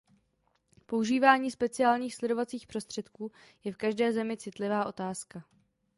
Používání speciálních sledovacích prostředků je v každé zemi citlivá otázka.